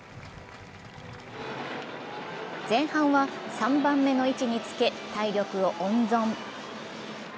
前半は３番目の位置につけ体力を温存。